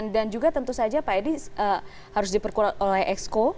dan juga tentu saja pak edi harus diperkuat oleh exco